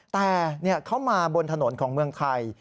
แต่เขามาบนถนนของเมืองไทย